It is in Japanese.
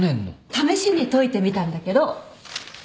試しに解いてみたんだけど。